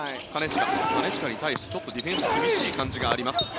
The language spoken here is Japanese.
金近に対してちょっとディフェンスが厳しい感じがあります。